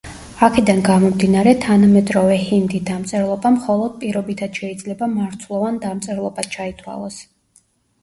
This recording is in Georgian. აქედან გამომდინარე, თანამედროვე ჰინდი–დამწერლობა მხოლოდ პირობითად შეიძლება მარცვლოვან დამწერლობად ჩაითვალოს.